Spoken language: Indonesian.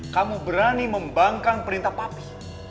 kamu berani membangkang perintah papis